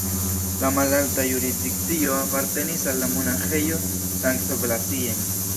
La malalta jurisdikcio apartenis al la Monaĥejo Sankt-Blasien.